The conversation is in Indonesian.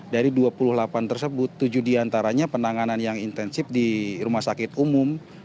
dari dua puluh delapan tersebut tujuh diantaranya penanganan yang intensif di rumah sakit umum